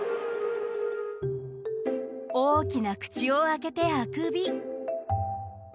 大きな口を開けてあくび。